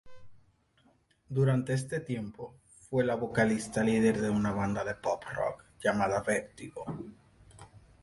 Durante este tiempo fue la vocalista líder de una banda de pop-rock llamada Vertigo.